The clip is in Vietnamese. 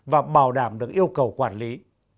và bảo đảm được yêu cầu quản lý